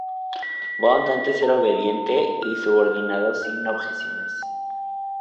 Bond antes era obediente y subordinado sin objeciones.